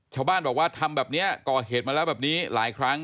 ชาวบ้านบอกว่าทำแบบนี้ก่อเหตุมาแล้วแบบนี้หลายครั้ง